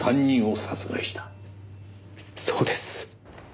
そうです。